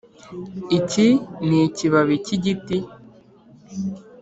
- iki ni ikibabi k‟igiti.